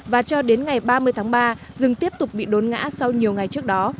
và cho đến ngày ba mươi tháng ba rừng tiếp tục bị đốn ngã sau nhiều ngày trước đó